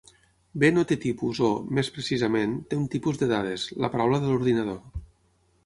B no té tipus o, més precisament, té un tipus de dades: la paraula de l'ordinador.